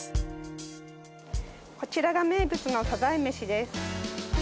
こちらが名物のさざえ飯です。